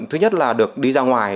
thứ nhất là được đi ra ngoài